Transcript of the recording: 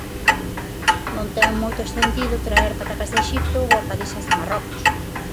Non ten moito sentido traer patacas de Exipto ou hortalizas de Marrocos.